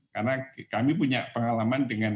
karena kami punya pengalaman dengan